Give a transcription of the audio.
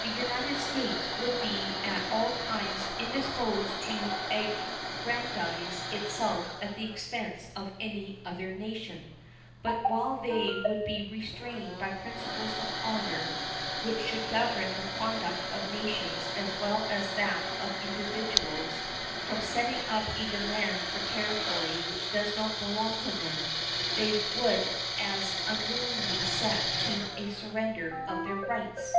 The United States would be at all times indisposed to aggrandize itself at the expense of any other nation; but while they would be restrained by principles of honor, which should govern the conduct of nations as well as that of individuals, from setting up a demand for territory which does not belong to them, they would as unwillingly sent to a surrender of their rights.